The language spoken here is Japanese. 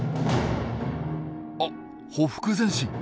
あっ「ほふく前進」。